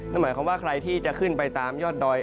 นั่นหมายความว่าใครที่จะขึ้นไปตามยอดดอย